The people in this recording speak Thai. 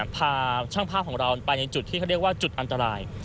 พาช่างภาพของเราไปในจุดที่เขาเรียกว่าจุดอันตราย